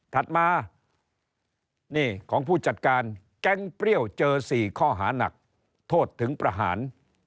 ถัดมานี่ของผู้จัดการแก๊งเปรี้ยวเจอ๔ข้อหานักโทษถึงประหาร